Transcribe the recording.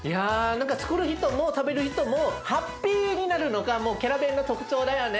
何かつくる人も食べる人もハッピーになるのがキャラベンの特徴だよね。